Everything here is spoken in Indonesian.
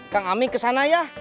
kang amin kesana ya